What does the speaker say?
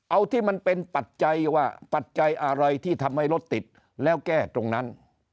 เอาที่มันเป็นปัจจัยว่าปัจจัยอะไรที่ทำให้รถติดแล้วแก้ตรงนั้น